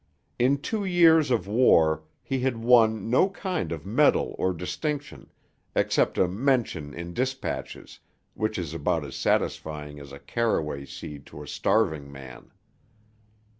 In two years of war he had won no kind of medal or distinction except a 'mention' in despatches, which is about as satisfying as a caraway seed to a starving man.